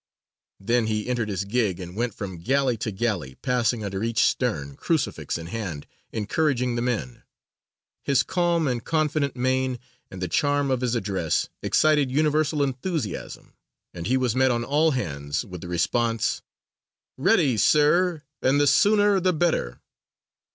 Then he entered his gig, and went from galley to galley, passing under each stern, crucifix in hand, encouraging the men. His calm and confident mien, and the charm of his address, excited universal enthusiasm, and he was met on all hands with the response: "Ready, Sir; and the sooner the better!"